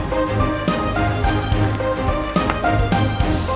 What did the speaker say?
makasih banyak ya udah bantuin gue